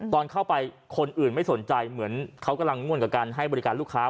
ตอนเข้าไปคนอื่นไม่สนใจเหมือนเขากำลังง่วนกับการให้บริการลูกค้า